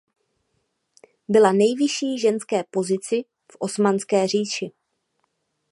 Byla nejvyšší ženské pozici v Osmanské říši.